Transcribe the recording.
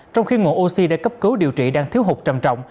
trong khi nguồn oxy đã cấp cứu điều trị đang thiếu hụt trầm trọng